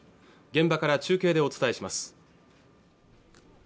現場から中継でお伝えします